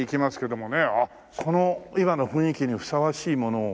あっこの今の雰囲気にふさわしいものを。